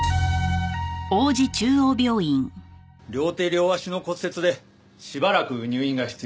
両手両足の骨折でしばらく入院が必要です。